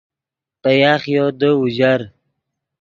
پے یاخیو دے اوژر